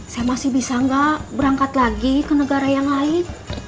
saya masih bisa nggak berangkat lagi ke negara yang lain